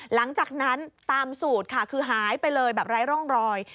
หลังจากนั้นตามสูตรค่ะคือหายไปเลยแบบไร้ร่องรอย